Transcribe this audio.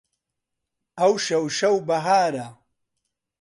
ئەوشەو شەو بەهارە